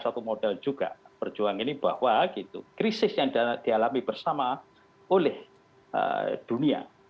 suatu modal juga perjuangan ini bahwa krisis yang dialami bersama oleh dunia